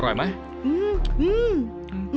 อร่อยไหม